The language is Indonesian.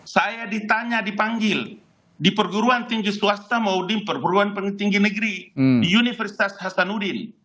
saya ditanya dipanggil di perguruan tinggi swasta maudim perguruan tinggi negeri di universitas hasanuddin